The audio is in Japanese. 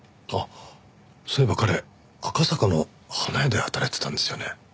あっそういえば彼赤坂の花屋で働いてたんですよね？